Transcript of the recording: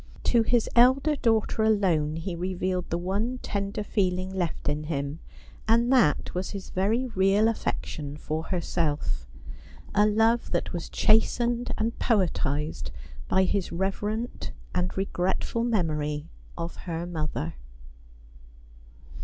To his elder daughter alone he revealed the one tender feeling left in him — and that was his very real afEection for herself ; a love that was chastened and poetised by his reverent and regretful memory of her mother.